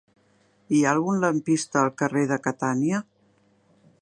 Hi ha algun lampista al carrer de Catània?